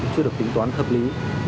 chưa được tính toán hợp lý